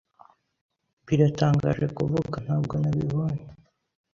Biratangaje kuvuga, ntabwo nabibonye.